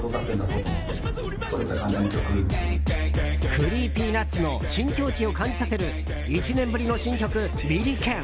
ＣｒｅｅｐｙＮｕｔｓの新境地を感じさせる１年ぶりの新曲「ビリケン」。